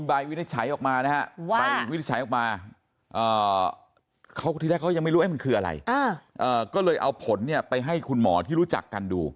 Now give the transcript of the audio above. อ่าก็เลยเอาผลเนี่ยไปให้คุณหมอที่รู้จักกันดู